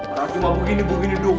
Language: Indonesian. orang cuma begini begini dong